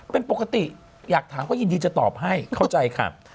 เป็นปกติอยากถามก็ยินดีจะตอบให้เข้าใจค่ะ